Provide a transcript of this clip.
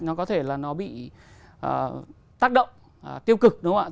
nó có thể là nó bị tác động tiêu cực đúng không ạ